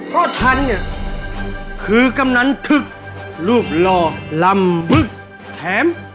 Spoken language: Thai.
เพราะฉันเนี่ยคือกนั้นถึกรูป่าวลำแถม